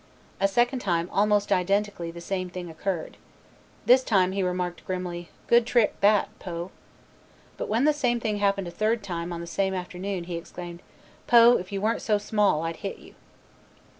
A second time almost identically the same thing occurred. This time he remarked grimly, "Good trick that, Poe." But when the same thing happened a third time on the same afternoon, he exclaimed, "Poe, if you weren't so small, I'd hit you."